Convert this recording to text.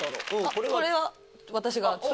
これは私が。